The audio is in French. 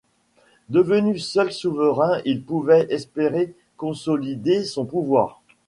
Devenu seul souverain il pouvait espérer consolider son pouvoir.